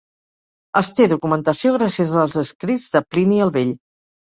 Es té documentació gràcies als escrits de Plini el Vell.